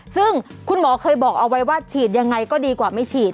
ซึ่งคุณหมอเคยบอกเอาไว้ว่าฉีดยังไงก็ดีกว่าไม่ฉีด